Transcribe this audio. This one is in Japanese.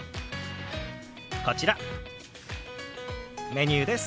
こちらメニューです。